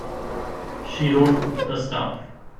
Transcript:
She wrote the stuff.